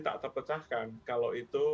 tak terpecahkan kalau itu